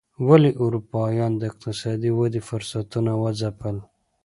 ولې اروپایانو د اقتصادي ودې فرصتونه وځپل.